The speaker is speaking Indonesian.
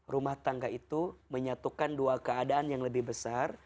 rumah tangga itu menyatukan dua keadaan yang lebih besar